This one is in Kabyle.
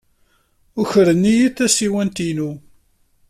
Ukren-iyi tasiwant-inu.